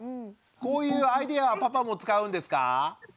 こういうアイデアはパパも使うんですか？